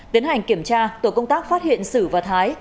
tiến hành kiểm tra tổ công tác phát hiện sử và thái